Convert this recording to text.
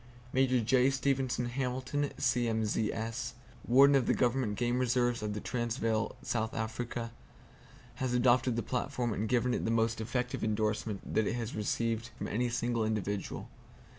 Major J. Stevenson Hamilton, C.M.Z.S., Warden of the Government Game Reserves of the Transvaal, South Africa, has adopted the platform and given it the most effective endorsement that it has received from any single individual.